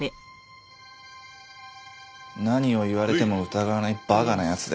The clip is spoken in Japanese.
何を言われても疑わない馬鹿な奴で。